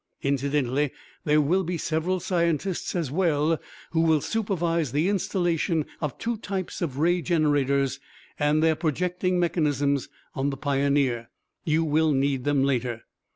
Incidentally, there will be several scientists as well, who will supervise the installation of two types of ray generators and their projecting mechanisms on the Pioneer. You will need them later."